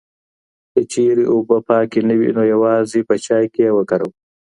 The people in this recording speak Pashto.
که چېرې اوبه پاکې نه وي، نو یوازې په چای کې یې وکاروئ.